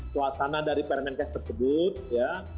suasana dari permenkes tersebut ya